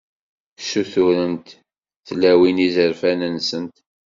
Ssuturent tlawin izerfan-nsent.